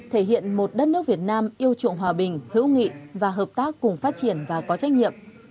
thể hiện một đất nước việt nam yêu trụng hòa bình hữu nghị và hợp tác cùng phát triển và có trách nhiệm